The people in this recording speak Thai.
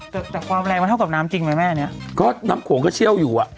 แต่แต่ความแรงมันเท่ากับน้ำจริงไหมแม่เนี้ยก็น้ำโขงก็เชี่ยวอยู่อ่ะ